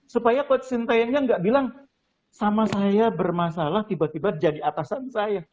supaya coach sintayongnya nggak bilang sama saya bermasalah tiba tiba jadi atasan saya